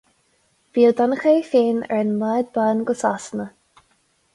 Bhí Ó Donnchadha é féin ar an mbád bán go Sasana.